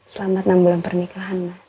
selama enam bulan pernikahan mas